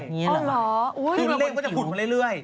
นี่แหละไงคือเลขก็จะคุดมันเรื่อย